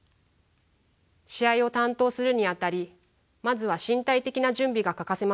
試合を担当するにあたりまずは身体的な準備が欠かせません。